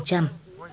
đạt trên năm mươi